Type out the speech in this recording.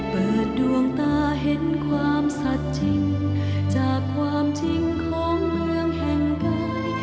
เปิดดวงตาเห็นความสัดจริงจากความจริงของเมืองแห่งกาย